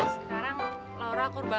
sekarang laura aku rubah